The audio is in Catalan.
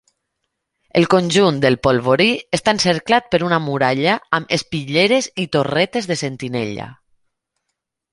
El conjunt del Polvorí està encerclat per una muralla amb espitlleres i torretes de sentinella.